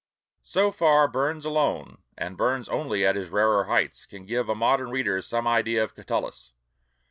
So far, Burns alone, and Burns only at his rarer heights, can give a modern reader some idea of Catullus.